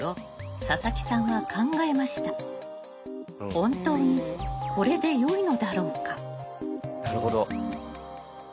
本当にこれでよいのだろうか。